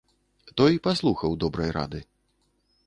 Той паслухаў добрай рады.